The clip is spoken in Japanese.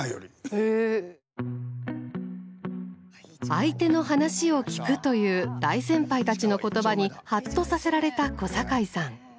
相手の話を聞くという大先輩たちの言葉にハッとさせられた小堺さん。